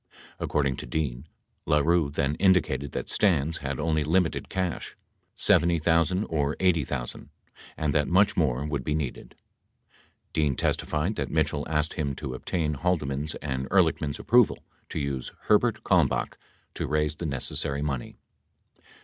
60 According to Dean, LaRue then indicated that Stans had only limited cash — $70,000 or $80,000 — and that much more would be needed. 61 Dean testified that Mitchell asked him to obtain Haldeman's and Ehrlichman's approval to use Herbert Kalmbach to raise the necessary money.